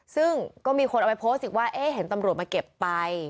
ซึ่งก็มีคนเอาไปโพสต์อีกว่าเอ๊ะเห็นตำรวจมาเก็บไป